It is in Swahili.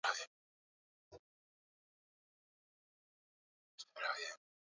isidore alikataa kupanda boti za kuokolea